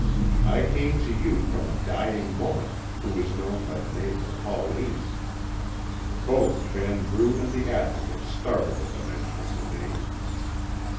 I came to you from a dying woman, who is known by the name of Pauline." Both Vanbrugh and the Advocate started at the mention of the name.